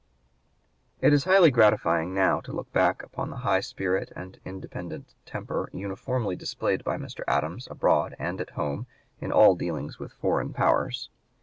It is highly gratifying now to look back upon the high spirit and independent temper uniformly displayed by Mr. Adams abroad and at home in all dealings with foreign powers.